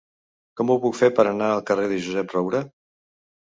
Com ho puc fer per anar al carrer de Josep Roura?